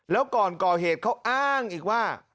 แล้วก่อนก่อเหตุเขาอ้างอีกว่า